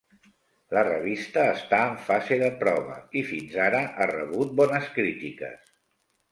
La revista està en fase de prova i, fins ara, ha rebut bones crítiques.